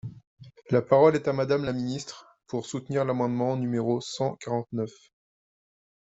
La parole est à Madame la ministre, pour soutenir l’amendement numéro cent quarante-neuf.